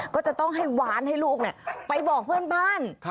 ก็จะต้องให้หวานให้ลูกไปบอกเพื่อนบ้าน